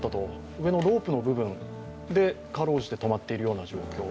上のロープの部分でかろうじて止まっているような状況。